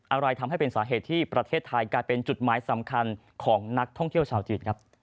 อะไรทำให้เป็นสาเหตุที่ประเทศไทยกลายเป็นจุดหมายสำคัญของนักท่องเที่ยวชาวจีนครับ